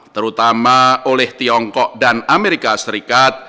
terutama oleh tiongkok dan amerika serikat